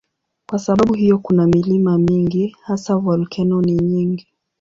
Kwa sababu hiyo kuna milima mingi, hasa volkeno ni nyingi.